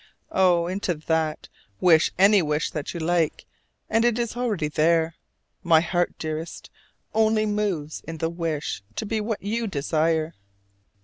Oh, into that, wish any wish that you like, and it is there already! My heart, dearest, only moves in the wish to be what you desire.